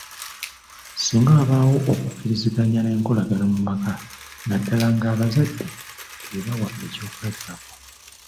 Singa wabaawo okukkiriziganya n'enkolagana mu maka naddala ng'abazadde be bawa ekyokulabirako.